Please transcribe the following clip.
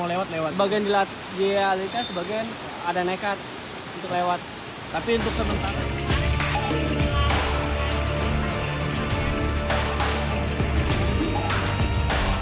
lewat lewat bagian jelas dia lintas bagian ada nekat untuk lewat tapi untuk sementara